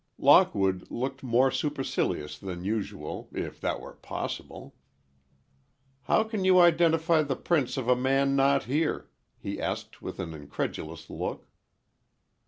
Lockwood looked more supercilious than usual, if that were possible. "How can you identify the prints of a man not here?" he asked with an incredulous look.